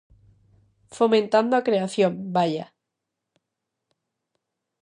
Fomentando a creación, vaia.